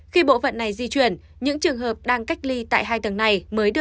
khi bộ phận này di chuyển những trường hợp đang cách ly tại hai tầng này